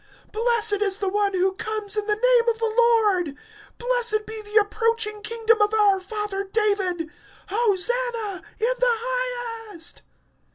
blessed is he that comes in the name of the Lord; (10)blessed is the coming kingdom of our father David; Hosanna in the highest!